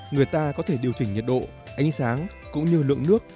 người ta có thể điều chỉnh nhiệt độ ánh sáng cũng như lượng nước